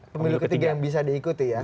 pemilu ketiga yang bisa diikuti ya